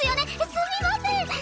すみません。